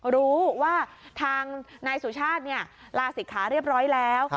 รู้ว่าทางนายสุชาติลาศิกขาเรียบร้อยแล้ว